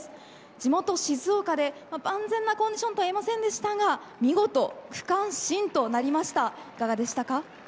地元静岡で万全なコンディションとは言えませんでしたが見事、区間新となりましたがいかがでしたか。